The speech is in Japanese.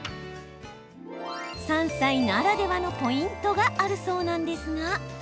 山菜ならではのポイントがあるそうなんですが。